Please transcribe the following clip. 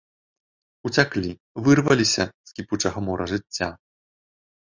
Уцяклі, вырваліся з кіпучага мора жыцця.